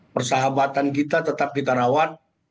persahabatan kita tetap kita rawat